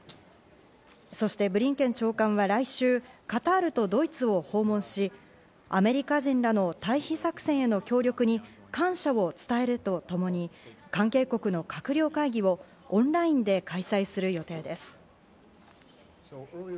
そしてブリンケン長官は来週、カタールとドイツを訪問し、アメリカ人らの退避作戦への協力に感謝を伝えるとともに関係国の閣僚会議をオンラインで開催する予定です。